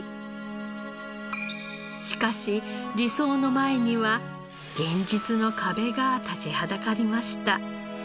しかし理想の前には現実の壁が立ちはだかりました。